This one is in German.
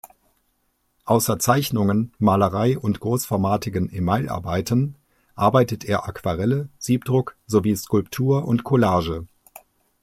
Außer Zeichnungen, Malerei und großformatigen Emailarbeiten arbeitet er Aquarelle, Siebdruck sowie Skulptur und Collage.